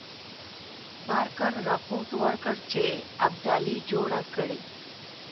بارکر رپوټ ورکړ چې ابدالي جوړه کړې.